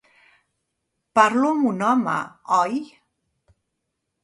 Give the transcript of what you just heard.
Parlo amb un home, oi?